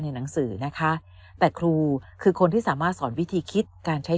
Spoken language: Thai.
หนังสือนะคะแต่ครูคือคนที่สามารถสอนวิธีคิดการใช้